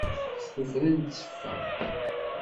S tufra i nteffeɣ.